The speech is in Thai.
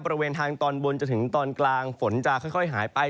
บริเวณทางตอนบนจนถึงตอนกลางฝนจะค่อยหายไป